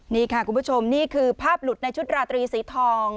นี่ค่ะคุณผู้ชมนี่คือภาพหลุดในชุดราตรีสีทอง